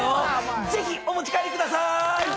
ぜひお持ち帰りくださーい！